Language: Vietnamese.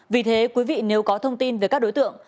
vì thế quý vị nếu có thông tin về các đối tượng